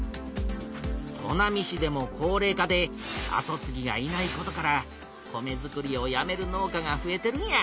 砺波市でも高れい化で後つぎがいないことから米づくりをやめる農家がふえてるんや。